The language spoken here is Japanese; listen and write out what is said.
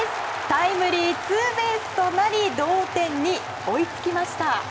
タイムリーツーベースとなり同点に追いつきました。